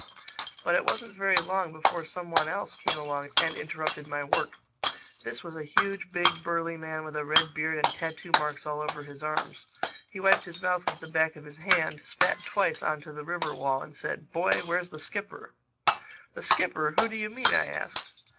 But it wasn't very long before some one else came along and interrupted my work. This was a huge, big, burly man with a red beard and tattoo marks all over his arms. He wiped his mouth with the back of his hand, spat twice on to the river wall and said, "Boy, where's the skipper?" "The skipper!—Who do you mean?" I asked.